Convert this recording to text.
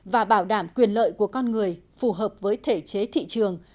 và bảo đảm quyền lợi của con người phù hợp với thể chế thị trường